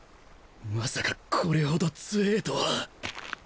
まさかこれほど強えとは